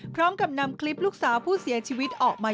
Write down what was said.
พร้อมกับนำคลิปลูกสาวผู้เสียชีวิตออกมา